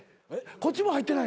こっちも入ってないの？